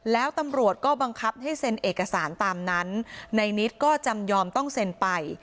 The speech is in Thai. แล้วตำรวจก็บังคับให้เซ็นเอกสารตามนั้นในนิดก็จำยอมต้องเซ็นไป